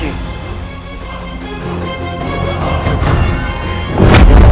itu bukan adalya adala